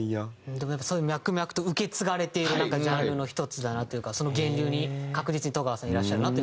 でもやっぱそういう脈々と受け継がれているジャンルの１つだなというかその源流に確実に戸川さんいらっしゃるなと。